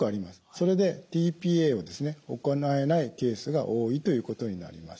それでｔ−ＰＡを行えないケースが多いということになります。